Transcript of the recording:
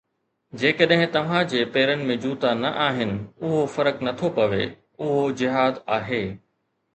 جيڪڏهن توهان جي پيرن ۾ جوتا نه آهن، اهو فرق نٿو پوي، اهو جهاد آهي.